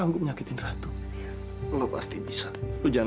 gar lo tuh tenang aja gar